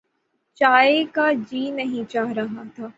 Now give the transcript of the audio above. چائے کا جی نہیں چاہ رہا تھا۔